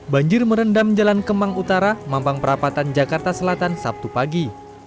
banjir merendam jalan kemang utara mampang perapatan jakarta selatan sabtu pagi